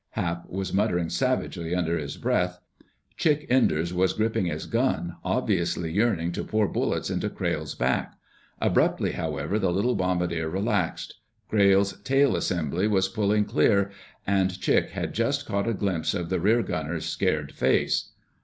Hap was muttering savagely under his breath. Chick Enders was gripping his gun, obviously yearning to pour bullets into Crayle's back. Abruptly, however, the little bombardier relaxed. Crayle's tail assembly was pulling clear—and Chick had just caught a glimpse of the rear gunner's scared face.